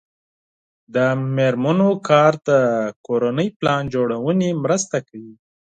د میرمنو کار د کورنۍ پلان جوړونې مرسته کوي.